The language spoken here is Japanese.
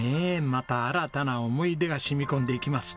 また新たな思い出が染み込んでいきます。